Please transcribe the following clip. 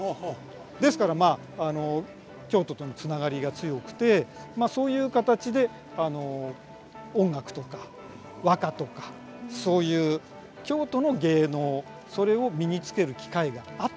ですからまあ京都とのつながりが強くてそういう形で音楽とか和歌とかそういう京都の芸能それを身につける機会があったというふうに考えられます。